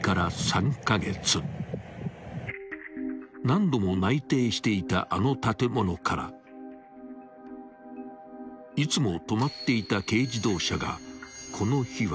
［何度も内偵していたあの建物からいつも止まっていた軽自動車がこの日は消えていたのだ］